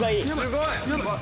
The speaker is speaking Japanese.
すごい！